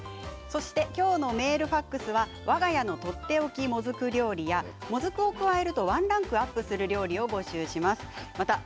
きょうのメールファックスはわが家のとっておきもずく料理やもずくを加えるとワンランクアップする料理を募集します。